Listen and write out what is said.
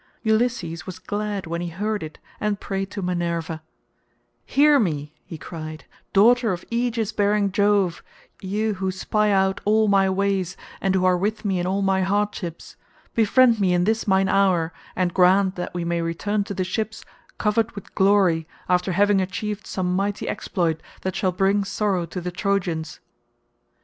Ulysses was glad when he heard it and prayed to Minerva: "Hear me," he cried, "daughter of aegis bearing Jove, you who spy out all my ways and who are with me in all my hardships; befriend me in this mine hour, and grant that we may return to the ships covered with glory after having achieved some mighty exploit that shall bring sorrow to the Trojans."